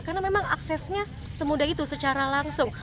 karena memang aksesnya semudah itu secara langsung